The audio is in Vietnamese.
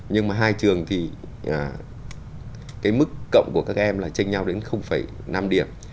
nhưng mà hai trường thì cái mức cộng của các em là chênh nhau đến năm điểm